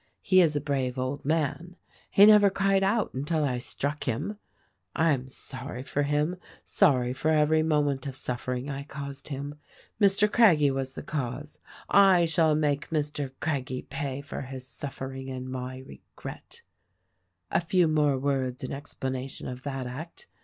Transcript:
He is a brave old man. He never cried out until I struck him. I am sorry for him, sorry for every moment of suffering I caused him. Mr. Craggie was the cause: / shall make Mr. Craggie pay for Jiis suffering and my regret. "A few words more in explanation of that act.